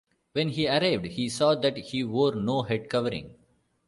When he arrived, he saw that he wore no head-covering.